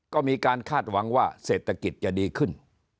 ก็มีการคาดหวังว่าเศรษฐกิจจะดีขึ้น